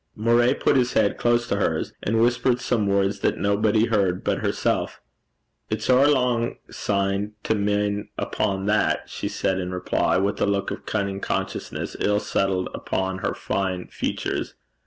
Moray put his head close to hers, and whispered some words that nobody heard but herself. 'It's ower lang syne to min' upo' that,' she said in reply, with a look of cunning consciousness ill settled upon her fine features.